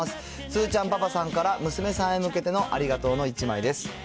つーちゃんパパさんから、娘さんへ向けてのありがとうの１枚です。